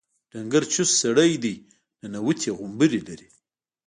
ډنګر چوست سړی دی ننوتي غومبري لري.